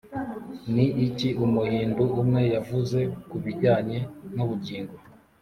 ni iki umuhindu umwe yavuze ku bijyanye n’ubugingo?